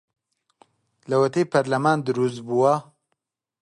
لەوەتەی پەرلەمان دروست بووە